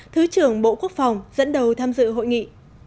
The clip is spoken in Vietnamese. thứ trưởng bộ quốc phòng dẫn đầu tham dự hội nghị